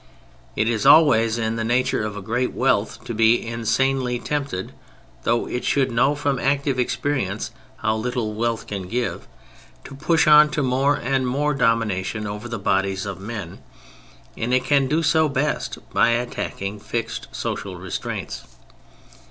It is always in the nature of great wealth to be insanely tempted (though it should know from active experience how little wealth can give), to push on to more and more domination over the bodies of men—and it can do so best by attacking fixed social restraints.